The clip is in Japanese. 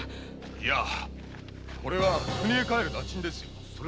いやこれは国へ帰る駄賃ですよ。